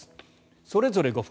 それぞれ５分。